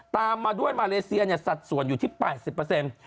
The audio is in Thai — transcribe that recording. ตามมาด้วยมาเลเซียเนี่ยสัดส่วนอยู่ที่๘๐เปอร์เซ็นต์